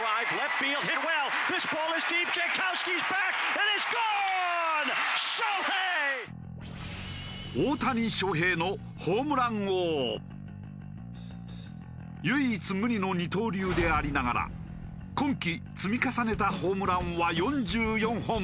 そして大谷翔平の唯一無二の二刀流でありながら今季積み重ねたホームランは４４本。